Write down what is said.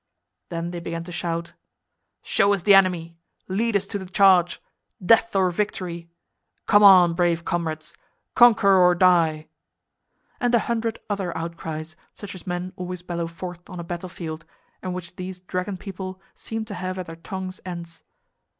Then they began to shout, "Show us the enemy! Lead us to the charge! Death or victory! Come on, brave comrades! Conquer or die!" and a hundred other outcries, such as men always bellow forth on a battle field and which these dragon people seemed to have at their tongues' ends.